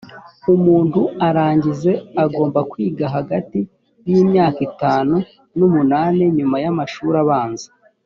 umuntu arangize agomba kwiga hagati y imyaka itanu n umunani nyuma y amashuri abanza